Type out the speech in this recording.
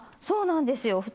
そうなんですよ。